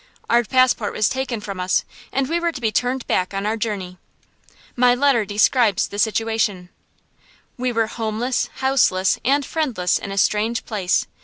Our passport was taken from us, and we were to be turned back on our journey. My letter describes the situation: We were homeless, houseless, and friendless in a strange place.